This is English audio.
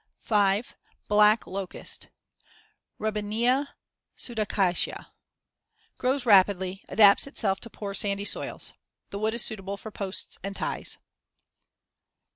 5. Black locust (Robinia pseudacacia) Grows rapidly; adapts itself to poor, sandy soils. The wood is suitable for posts and ties.